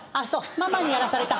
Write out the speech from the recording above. ママにやらされた？